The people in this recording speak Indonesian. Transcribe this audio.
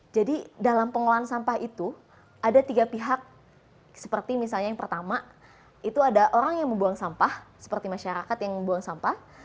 jadi dalam pengelolaan sampah itu ada tiga pihak seperti misalnya yang pertama itu ada orang yang membuang sampah seperti masyarakat yang membuang sampah